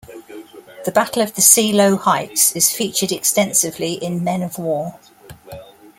The Battle of the Seelow Heights is featured extensively in Men of War.